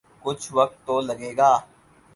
کچھ وقت تو لگے گا۔